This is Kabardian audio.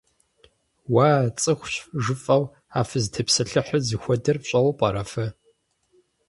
Уа, цӀыхущ жыфӀэу а фызытепсэлъыхьыр зыхуэдэр фщӀэуэ пӀэрэ фэ?